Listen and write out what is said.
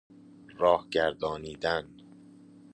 راه گردانیدن